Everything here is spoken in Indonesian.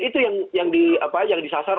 itu yang disasar